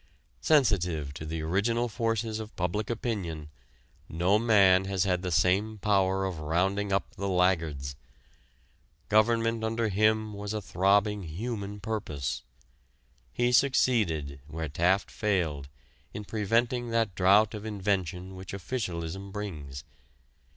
Sensitive to the original forces of public opinion, no man has had the same power of rounding up the laggards. Government under him was a throbbing human purpose. He succeeded, where Taft failed, in preventing that drought of invention which officialism brings.